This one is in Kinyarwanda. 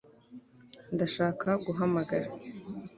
ndashaka guhamagara